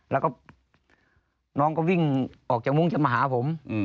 แล้วก็น้องก็วิ่งออกจากมุ้งจะมาหาผม